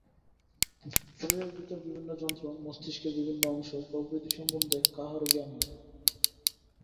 শরীরের ভিতর বিভিন্ন যন্ত্র, মস্তিষ্কের বিভিন্ন অংশ প্রভৃতি সম্বন্ধে কাহারও জ্ঞান নাই।